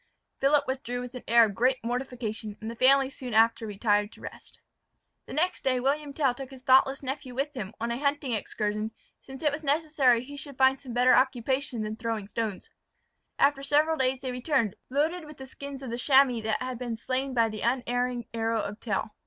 Philip withdrew with an air of great mortification and the family soon after retired to rest. The next day William Tell took his thoughtless nephew with him, on a hunting excursion, since it was necessary he should find some better occupation than throwing stones. After several days they returned, loaded with the skins of the chamois that had been slain by the unerring arrow of Tell.